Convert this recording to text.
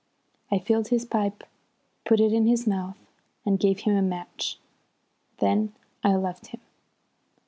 I filled his pipe, put it in his mouth, and gave him a match; then I left him.